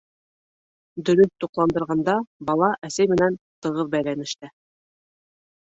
Дөрөҫ туҡландырғанда бала әсәй менән тығыҙ бәйләнештә.